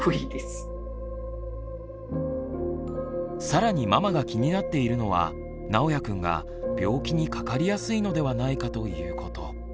さらにママが気になっているのはなおやくんが病気にかかりやすいのではないかということ。